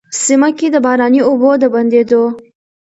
سيمه کي د باراني اوبو د بندېدو،